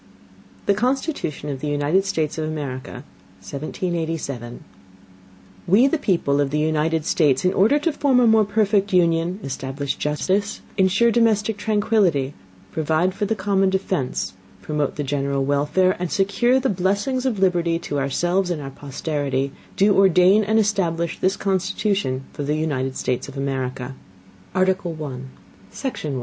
THE CONSTITUTION OF THE UNITED STATES OF AMERICA, 1787 We the people of the United States, in Order to form a more perfect Union, establish Justice, insure domestic Tranquility, provide for the common defence, promote the general Welfare, and secure the Blessings of Liberty to ourselves and our Posterity, do ordain and establish this Constitution for the United States of America. Article 1 Section 1.